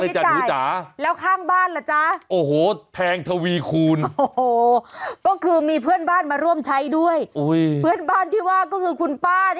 ใช้น้ำเพื่อนบ้านค่ะคุณ